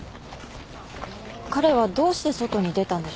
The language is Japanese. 彼はどうして外に出たんでしょう？